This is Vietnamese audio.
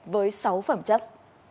với sáu phẩm chất